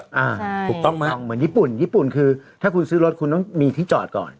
ถูกต้องไหมเหมือนญี่ปุ่นญี่ปุ่นคือถ้าคุณซื้อรถคุณต้องมีที่จอดก่อน